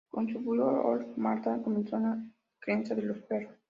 Con su bulldog "Old Madman" comenzó en la crianza de perros.